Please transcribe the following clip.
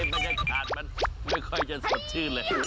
บรรยากาศมันไม่ค่อยจะสดชื่นเลย